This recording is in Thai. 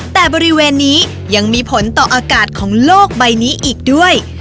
แต่บริเวณนี้ยังมีผลต่ออากาศของโลกใบนี้อีกด้วย